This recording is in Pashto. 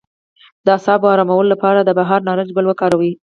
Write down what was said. د اعصابو ارامولو لپاره د بهار نارنج ګل وکاروئ